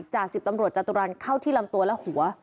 จาก๑๐ตำรวจจตุรันเข้าที่ลำตัวและหัว